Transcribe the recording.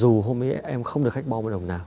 dù hôm ấy em không được khách bo một đồng nào